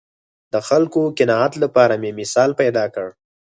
د خلکو قناعت لپاره مې مثال پیدا کړ